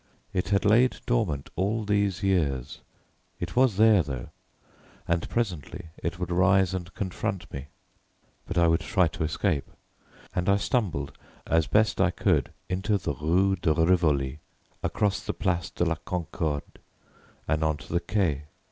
It had lain dormant all these years: it was there, though, and presently it would rise and confront me. But I would try to escape; and I stumbled as best I could into the Rue de Rivoli, across the Place de la Concorde and on to the Quai.